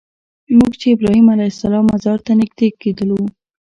موږ چې ابراهیم علیه السلام مزار ته نږدې کېدلو.